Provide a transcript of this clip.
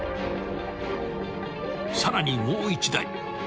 ［さらにもう一台］